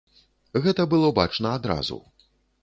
Гэта было бачна адразу.